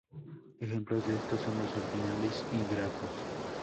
Ejemplos de esto son los ordinales y grafos.